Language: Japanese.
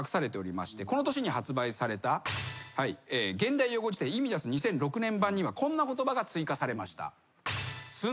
この年に発売された現代用語事典『イミダス』２００６年版にはこんな言葉が追加されました。